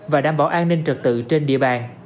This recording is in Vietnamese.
và đảm bảo an ninh trật tự trên địa bàn